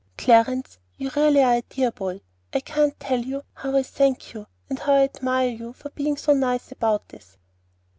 "Clarence, you really are a dear boy! I can't tell you how I thank you, and how I admire you for being so nice about this."